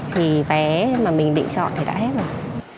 thì vé mà mình định chọn thì đã hết rồi